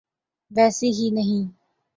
ویسی ہی ہیں۔